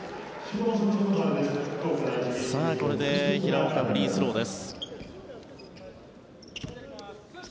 これで平岡、フリースローです。